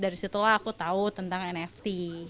dari situlah aku tahu tentang nft